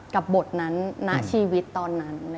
บทนั้นณชีวิตตอนนั้น